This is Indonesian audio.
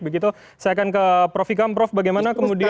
begitu saya akan ke prof ikam prof bagaimana kemudian